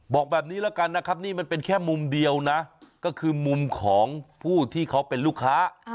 บอกแบบนี้แล้วกันนะครับนี่มันเป็นแค่มุมเดียวนะก็คือมุมของผู้ที่เขาเป็นลูกค้า